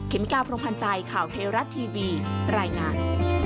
เมกาพรมพันธ์ใจข่าวเทราะทีวีรายงาน